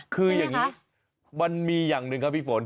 คืออย่างนี้มันมีอย่างหนึ่งครับพี่ฝน